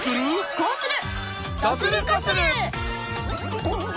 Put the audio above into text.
こうする！